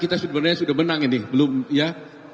kita sebenarnya sudah menang ini belum ya